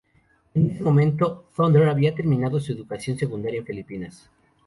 En ese momento, Thunder había terminado su educación secundaria en Filipinas.